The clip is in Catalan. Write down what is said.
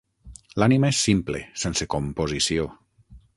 L'ànima és simple, sense composició.